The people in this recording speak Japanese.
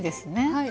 はい。